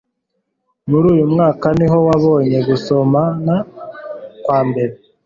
Muri uyu mwaka niho wabonye gusomana kwambere